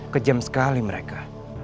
kejam sekali mereka